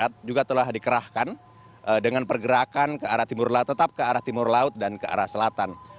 jadi tim darat juga telah dikerahkan dengan pergerakan ke arah timur laut tetap ke arah timur laut dan ke arah selatan